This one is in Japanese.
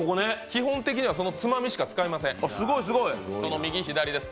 基本的にはそのつまみしか使いません、右、左です。